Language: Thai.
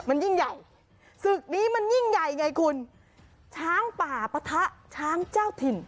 มันยิ่งใหญ่ศึกนี้มันยิ่งใหญ่ไงคุณช้างป่าปะทะช้างเจ้าถิ่น